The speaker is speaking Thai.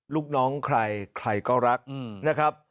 ลูกน้องใครใครก็รักนะครับ